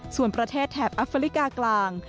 ส่วนประเทศแถบอัฟริกากลาง